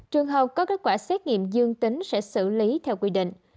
trường hợp có kết quả xét nghiệm dương tính sẽ xử lý theo quy định